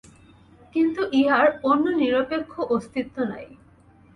কিন্তু ইহার অন্যনিরপেক্ষ অস্তিত্ব নাই।